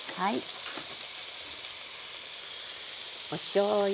おしょうゆ。